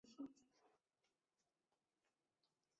殿上匾额都是乾隆帝御书。